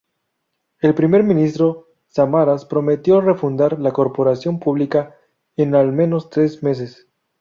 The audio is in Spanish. El primer ministro Samarás prometió refundar la corporación pública en al menos tres meses.